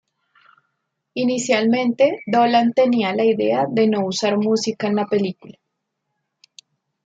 Inicialmente Dolan tenía la idea de no usar música en la película.